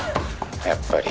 やっぱり。